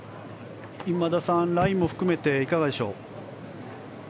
今田さん、ラインも含めていかがですか。